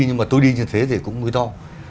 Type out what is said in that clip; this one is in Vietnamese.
nhưng mà tôi đi như thế thì cũng mới to